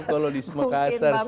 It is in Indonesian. kalau di semakasar sih desi